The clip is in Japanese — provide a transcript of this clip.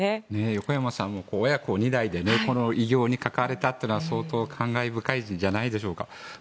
横山さんも親子２代でこの偉業に関われたというのは相当、感慨深いんじゃないでしょうか。